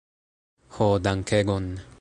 Ho dankegon